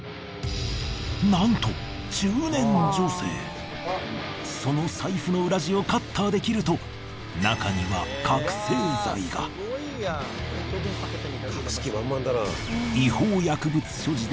なんとその財布の裏地をカッターで切ると中には隠す気満々だな。